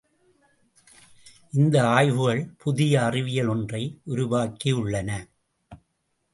இந்த ஆய்வுகள் புதிய அறிவியல் ஒன்றை உருவாக்கியுள்ளன.